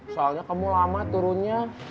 soalnya kamu lama turunnya